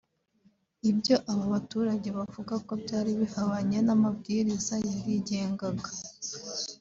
ibyo aba baturage bavuga ko byari bihabanye n’amabwiriza yarigengaga